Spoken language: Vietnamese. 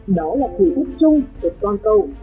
đó là thử thách chung của con cầu